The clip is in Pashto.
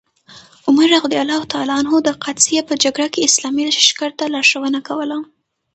عمر رض د قادسیې په جګړه کې اسلامي لښکر ته لارښوونه کوله.